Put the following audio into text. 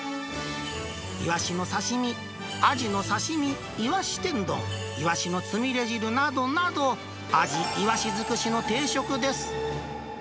イワシの刺身、アジの刺身、イワシ天丼、イワシのつみれ汁などなど、アジ、イワシ尽くしの定食です。